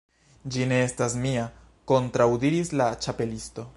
"Ĝi ne estas mia," kontraŭdiris la Ĉapelisto.